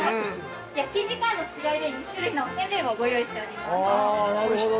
◆焼き時間の違いで２種類、ご用意しております。